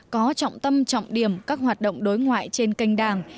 có trọng tâm trọng điểm các hoạt động đối ngoại trên kênh đảng